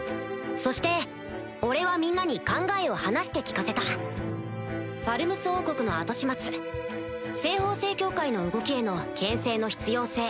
そして俺はみんなに考えを話して聞かせたファルムス王国の後始末西方聖教会の動きへの牽制の必要性